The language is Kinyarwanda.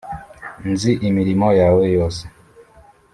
‘Nzi imirimo yawe yose